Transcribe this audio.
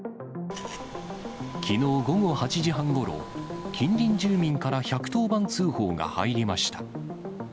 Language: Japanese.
きのう午後８時半ごろ、近隣住民から１１０番通報が入りました。